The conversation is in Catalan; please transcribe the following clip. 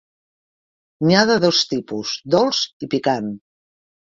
N'hi ha de dos tipus: dolç i picant.